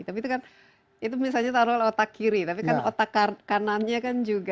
tapi itu kan itu misalnya taruh otak kiri tapi kan otak kanannya kan juga